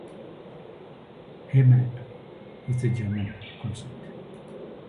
"Heimat" is a German concept.